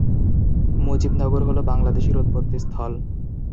মুজিবনগর হলো বাংলাদেশের উৎপত্তিস্থল।